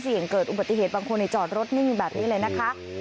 เสี่ยงเกิดอุบัติเหตุบางคนจอดรถนิ่งแบบนี้เลยนะคะ